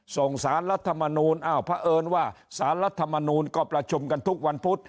ส่งสารรัฐมนูลอ้าวเพราะเอิญว่าสารรัฐมนูลก็ประชุมกันทุกวันพุธ